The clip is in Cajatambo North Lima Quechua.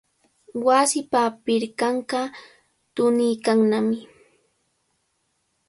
Wasipa pirqanqa tuniykannami.